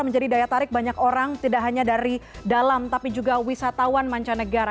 menjadi daya tarik banyak orang tidak hanya dari dalam tapi juga wisatawan mancanegara